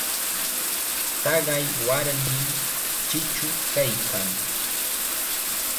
Taqay warmim chichu kaykan.